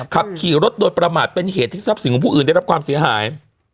ขับขี่รถโดยประมาทเป็นเหตุที่ทรัพย์สินของผู้อื่นได้รับความเสียหาย